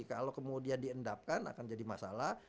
kalau kemudian diendapkan akan jadi masalah